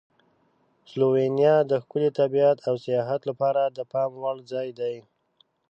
سلووینیا د ښکلي طبیعت او سیاحت لپاره د پام وړ ځای دی.